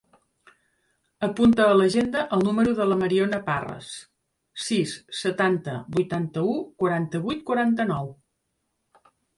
Apunta a l'agenda el número de la Mariona Parras: sis, setanta, vuitanta-u, quaranta-vuit, quaranta-nou.